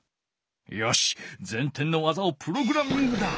よし前転の技をプログラミングだ！